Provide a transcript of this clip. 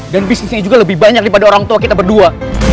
dan bisnisnya juga lebih banyak daripada orang tua kita berdua